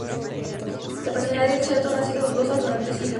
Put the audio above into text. La personalidad de Shelton ha sido dudosa durante siglos.